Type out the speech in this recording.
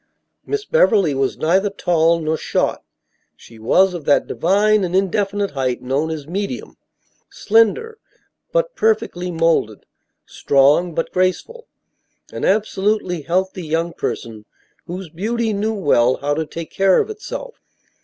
Miss Beverly was neither tall nor short. She was of that divine and indefinite height known as medium; slender but perfectly molded; strong but graceful, an absolutely healthy young person whose beauty knew well how to take care of itself.